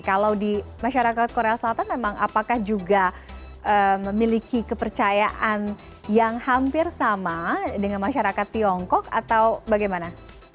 kalau di masyarakat korea selatan memang apakah juga memiliki kepercayaan yang hampir sama dengan masyarakat tiongkok atau bagaimana